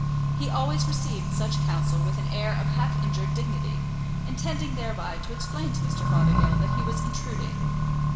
He always received such counsel with an air of half injured dignity, intending thereby to explain to Mr. Fothergill that he was intruding.